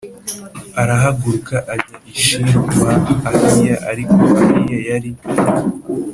arahaguruka ajya i Shilo kwa Ahiya Ariko Ahiya yari